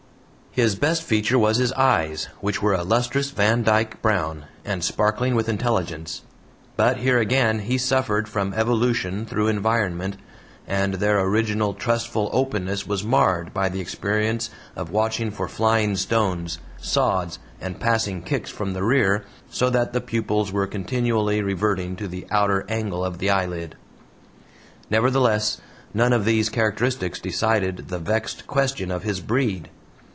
His best feature was his eyes, which were a lustrous Vandyke brown, and sparkling with intelligence; but here again he suffered from evolution through environment, and their original trustful openness was marred by the experience of watching for flying stones, sods, and passing kicks from the rear, so that the pupils were continually reverting to the outer angle of the eyelid. Nevertheless, none of these characteristics decided the vexed question of his BREED.